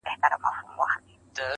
په زړه خواشیني د کابل ښکلي -